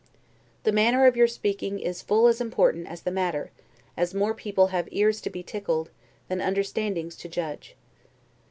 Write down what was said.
The manner of your speaking is full as important as the matter, as more people have ears to be tickled, than understandings to judge.